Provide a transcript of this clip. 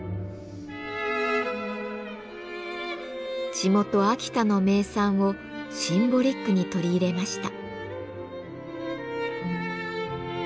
地元秋田の名産をシンボリックに取り入れました。